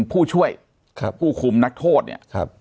ผู้ช่วยผู้คุมนักโทษเนี่ย